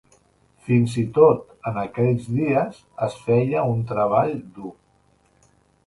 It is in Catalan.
Fins i tot en aquells dies es feia un treball dur.